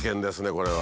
これは。